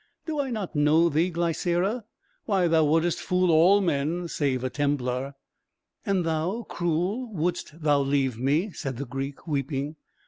Do I not know thee, Glycera? Why, thou wouldst fool all men save a Templar." "And thou, cruel, wouldst thou leave me?" said the Greek, weeping.